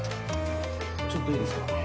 ちょっといいですか？